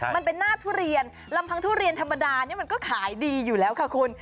มันเป็นหน้าทุเรียนลำพังทุเรียนธรรมดานี่มันก็ขายดีอยู่แล้วค่ะคุณ